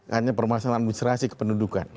hanya permasalahan administrasi kependudukan